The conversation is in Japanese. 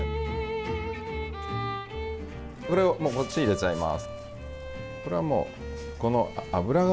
これはもうこっちに入れちゃいます。